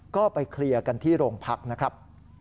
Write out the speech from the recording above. ก็ไปเคลียร์กันที่โรงพักนะครับ